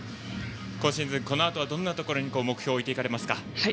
今シーズン、このあとはどんなところを目標に置きますか。